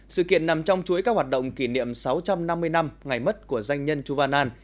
sự kiện nằm trong chuỗi các hoạt động kỷ niệm sáu trăm năm mươi năm ngày mất của danh nhân chu van an